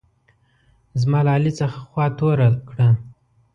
زما له علي څخه خوا توره کړه.